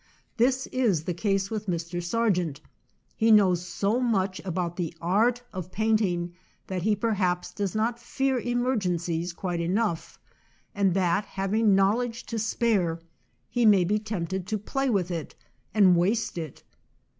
This is the case with Mr. Sargent; he knows so much about the art of painting that he perhaps does not fear emergencies quite enough, and that having knowledge to spare, he may be tempted to play with it and waste it.